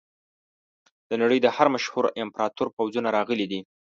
د نړۍ د هر مشهور امپراتور پوځونه راغلي دي.